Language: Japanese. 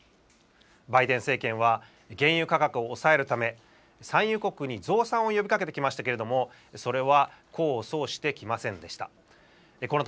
バイデン政権は、原油価格を抑えるため、産油国に増産を呼びかけてきましたけれども、それは功を奏してきませんでした。